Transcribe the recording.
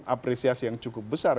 apresiasi yang cukup besar